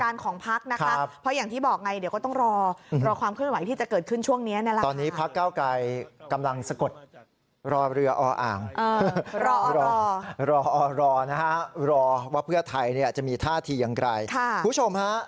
รอว่าเพื่อไทยเนี้ยจะมีท่าทีอย่างไรค่ะคุณผู้ชมฮะ